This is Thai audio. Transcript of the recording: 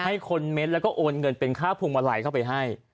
ให้คนเม้นแล้วก็โอนเงินเป็นค่าภูมิมาไหลเข้าไปให้